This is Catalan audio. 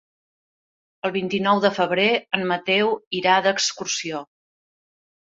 El vint-i-nou de febrer en Mateu irà d'excursió.